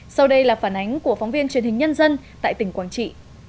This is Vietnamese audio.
sau đây là phản ánh của phóng viên truyền hình nhân dân tại tỉnh quảng trị